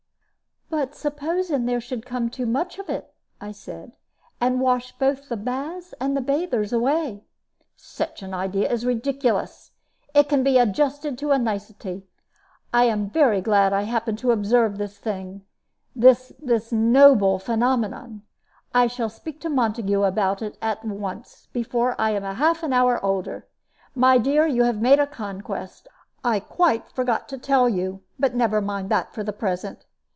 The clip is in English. "But supposing there should come too much of it," I said, "and wash both the baths and the bathers away?" "Such an idea is ridiculous. It can be adjusted to a nicety. I am very glad I happened to observe this thing, this this noble phenomenon. I shall speak to Montague about it at once, before I am half an hour older. My dear, you have made a conquest; I quite forgot to tell you; but never mind that for the present.